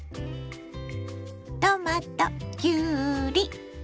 トマトきゅうり